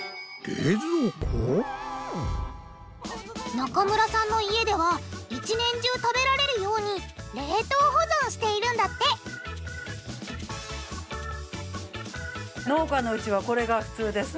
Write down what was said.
中村さんの家では一年中食べられるように冷凍保存しているんだってへぇ当たり前なんですか？